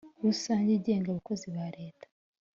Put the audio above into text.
rusange igenga abakozi ba leta